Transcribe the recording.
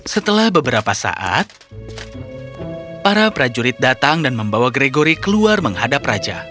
setelah beberapa saat para prajurit datang dan membawa gregory keluar menghadap raja